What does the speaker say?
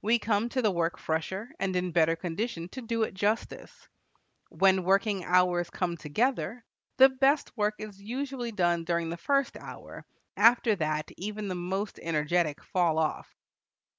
We come to the work fresher, and in better condition to do it justice. When working hours come together, the best work is usually done during the first hour; after that even the most energetic fall off.